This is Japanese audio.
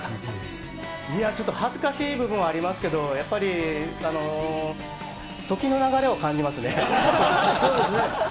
いや、ちょっと恥ずかしい部分はありますけども、やっぱり、時の流れをそうですね。